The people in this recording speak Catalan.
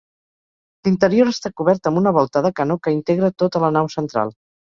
L'interior està cobert amb una volta de canó que integra tota la nau central.